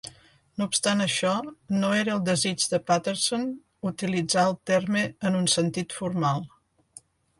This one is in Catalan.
No obstant això, no era desig de Patterson utilitzar el terme en un sentit formal.